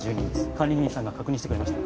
管理人さんが確認してくれました。